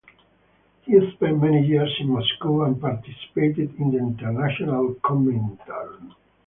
He spent many years in Moscow and participated in the International Comintern.